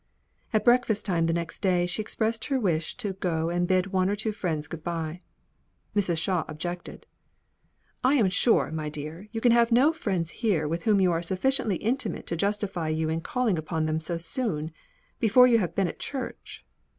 At breakfast time the next day, she expressed her wish to go and bid one or two friends good bye. Mrs. Shaw objected: "I am sure, my dear, you can have no friends here with whom you are sufficiently intimate to justify you in calling upon them so soon; before you have been at church."